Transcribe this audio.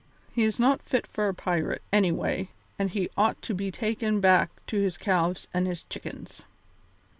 He is not fit for a pirate, anyway, and he ought to be taken back to his calves and his chickens."